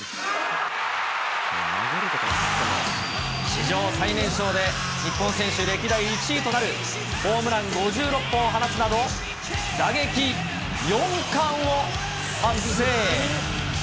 史上最年少で日本選手歴代１位となるホームラン５６本を放つなど、打撃４冠を達成。